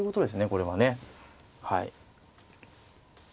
これはね。